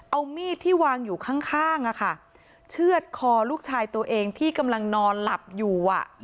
เอามีดที่วางอยู่ข้างเชื่อดคอลูกชายตัวเองที่กำลังนอนหลับอยู่